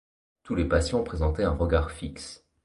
Tous les patients présentaient un regard fixe.